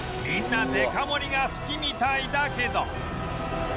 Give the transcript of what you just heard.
みんなデカ盛りが好きみたいだけど